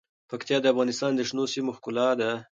پکتیا د افغانستان د شنو سیمو ښکلا ده.